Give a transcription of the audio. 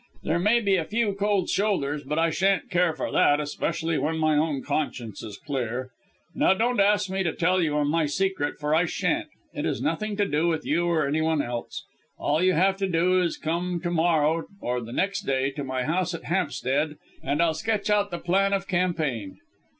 There may be a few cold shoulders, but I shan't care for that, especially when my own conscience is clear. Now, don't ask me to tell you my secret, for I shan't. It has nothing to do with you or anyone else. All you have to do is to come to morrow or the next day to my house at Hampstead, and I'll sketch out the plan of campaign."